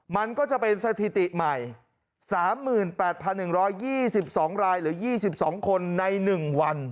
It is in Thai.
มันก็จะเป็นสถิติใหม่๓๘๑๒๒รายหรือ๒๒คนใน๑วัน